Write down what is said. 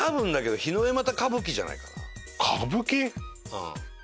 うん。